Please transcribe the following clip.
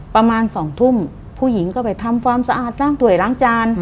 ประมาณ๒ทุ่มผู้หญิงก็ไปทำความสะอาดล้างถ่วยล้างจาน